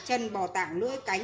chân bò tảng lưỡi cánh